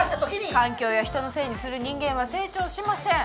環境や人のせいにする人間は成長しません。